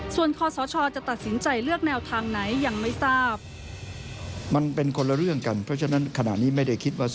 ส่วนข้อสมชาติจะตัดสินใจ